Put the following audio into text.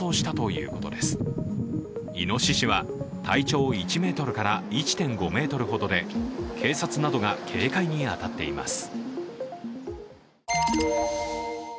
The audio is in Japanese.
いのししは体長１ｍから１．５ｍほどで警察などが警戒に当たっています。